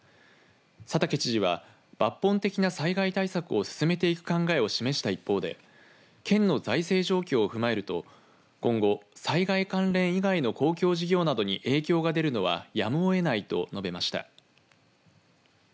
佐竹知事は抜本的な災害対策を進めていく考えを示した一方で県の財政状況を踏まえると今後、災害関連以外の公共事業などに影響が出るのはやむを得ないと述べました。